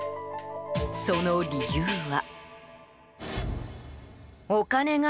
その理由は。